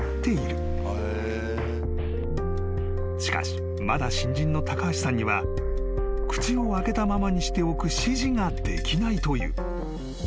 ［しかしまだ新人の高橋さんには口を開けたままにしておく指示ができないという］